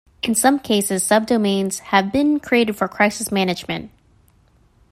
In some cases subdomains have been created for crisis management.